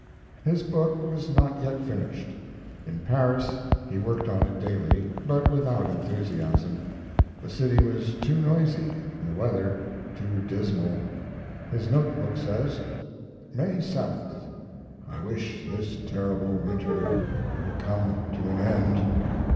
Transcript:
His book was not yet finished. In Paris he worked on it daily, but without enthusiasm. The city was too noisy, the weather too dismal. His note book says: May 7th. I wish this terrible winter would come to an end.